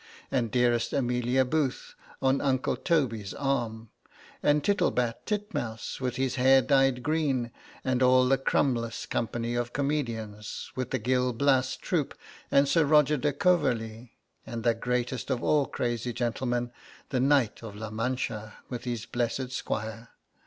And dearest Amelia Booth, on Uncle Toby's arm; and Tittlebat Titmouse with his hair dyed green; and all the Crummles company of comedians, with the Gil Blas troop; and Sir Roger de Coverley; and the greatest of all crazy gentlemen, the Knight of La Mancha, with his blessed squire?